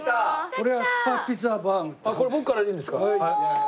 これ僕からでいいんですか？